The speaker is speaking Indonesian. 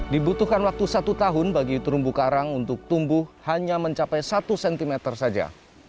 dibutuhkan waktu satu tahun bagi terumbu karang untuk tumbuh hanya mencapai satu cm saja